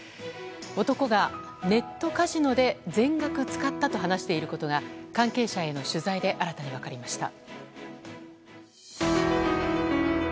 男がネットカジノで全額使ったと話していることが関係者への取材で新たに分かりました。